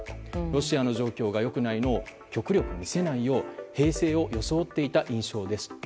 ロシアの状況が良くないのを極力、見せないように平静を装っていた印象ですと。